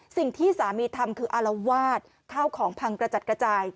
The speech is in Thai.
สิ่งที่สามีทำคืออารวาสข้าวของพังกระจัดกระจาย